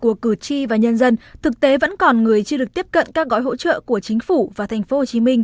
của cử tri và nhân dân thực tế vẫn còn người chưa được tiếp cận các gói hỗ trợ của chính phủ và tp hcm